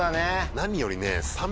何よりね。